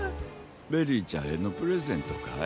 ベリーちゃんへのプレゼントかい？